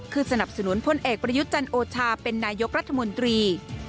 คือสนับสนุนพลเอกประยุทธ์จันโอชาเป็นนายกรัฐมนตรี